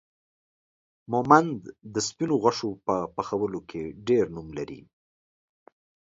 مومند دا سپينو غوښو په پخولو کې ډير نوم لري